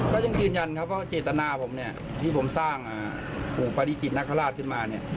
ก็ยืนยันว่าเกตนาผมที่สร้างปฤติจิตนากฮราชขึ้นมา